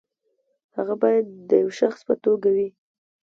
هغه باید د یوه شخص په توګه وي.